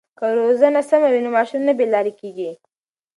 که روزنه سمه وي نو ماشوم نه بې لارې کېږي.